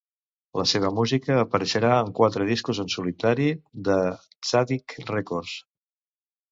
La seva música apareixerà en quatre discos en solitari de Tzadik Records.